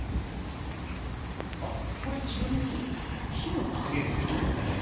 あっこれちなみに火の加減ってどうなんだろう？